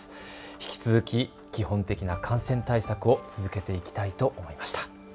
引き続き、基本的な感染対策を続けていきたいと思いました。